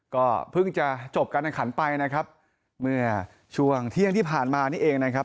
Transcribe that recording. ก็เพิ่งจะจบการแข่งขันไปนะครับเมื่อช่วงเที่ยงที่ผ่านมานี่เองนะครับ